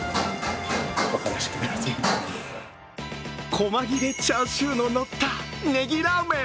細切れチャーシューののった、ねぎラーメン。